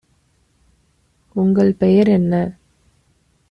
உங்கள் பெயர் என்ன?